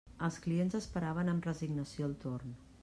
Els clients esperaven amb resignació el torn.